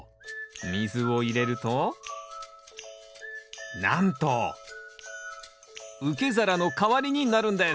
水を入れるとなんと受け皿の代わりになるんです